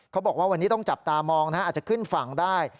เขาบอกว่าวันนี้ต้องจับตามองอาจจะขึ้นฝั่งได้